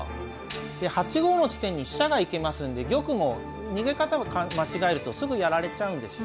で８五の地点に飛車が行けますんで玉も逃げ方を間違えるとすぐやられちゃうんですよ。